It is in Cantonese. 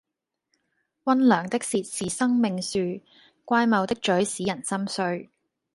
溫良的舌是生命樹，乖謬的嘴使人心碎